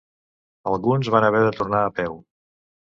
Alguns van haver de tornar a peu.